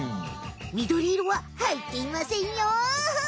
みどりいろははいっていませんよ。